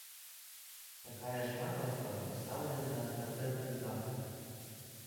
Такая ж макаўка пастаўлена па цэнтры даху.